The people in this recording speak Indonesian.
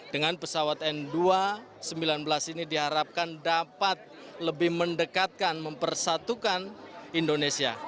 dengan pesawat n dua ratus sembilan belas ini diharapkan dapat lebih mendekatkan mempersatukan indonesia